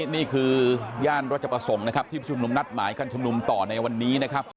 นี่คือรัจประสงค์ที่ชมนุมนัดหมายการชมนุมกันต่อในวันนี้นะครับ